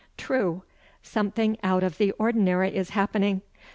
True; something out of the ordinary is happening.